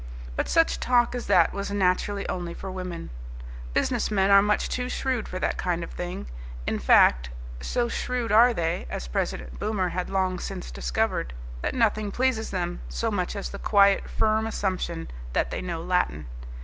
But such talk as that was naturally only for women. Businessmen are much too shrewd for that kind of thing; in fact, so shrewd are they, as President Boomer had long since discovered, that nothing pleases them so much as the quiet, firm assumption that they know Latin.